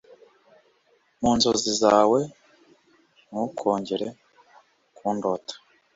munzozi zawe ntukongere kundota